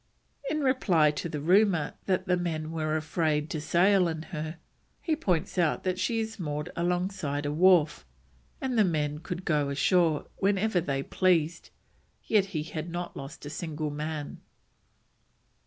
In reply to a rumour that the men were afraid to sail in her, he points out that she is moored alongside a wharf, and the men could go ashore whenever they pleased, yet he had not lost a single man.